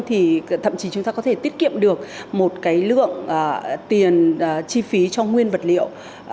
thì thậm chí chúng ta có thể tiết kiệm được một cái lượng tiền chi phí cho nguyên vật liệu